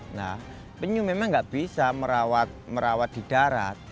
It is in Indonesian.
nah penyung memang enggak bisa merawat di darat